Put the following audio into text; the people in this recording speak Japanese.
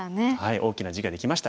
大きな地ができました。